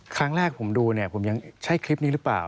ครั้งแรกผมดูเนี่ยผมยังใช่คลิปนี้หรือเปล่า